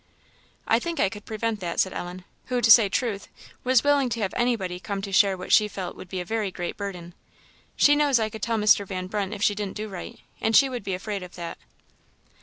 "I think I could prevent that," said Ellen; who, to say truth, was willing to have anybody come to share what she felt would be a very great burden. "She knows I could tell Mr. Van Brunt if she didn't do right, and she would be afraid of that."